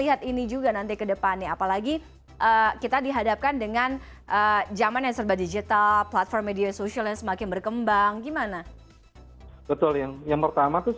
ini juga gantikan pada keluarga dan juga manajer